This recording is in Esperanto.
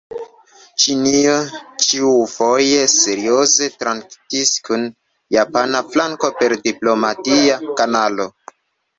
Ĉinio ĉiufoje serioze traktis kun japana flanko per diplomatia kanalo.